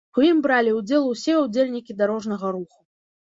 У ім бралі ўдзел усе ўдзельнікі дарожнага руху.